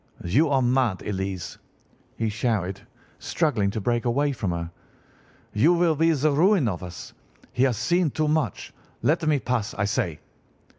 "'You are mad, Elise!' he shouted, struggling to break away from her. 'You will be the ruin of us. He has seen too much. Let me pass, I say!